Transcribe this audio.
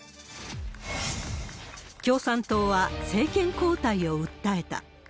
共産党は政権交代を訴えた。